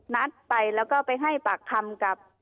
นัดไปแล้วก็ไปให้ปากคำกับ